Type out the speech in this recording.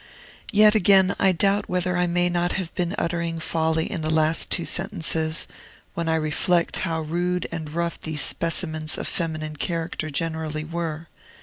Yet again I doubt whether I may not have been uttering folly in the last two sentences, when I reflect how rude and rough these specimens of feminine character generally were.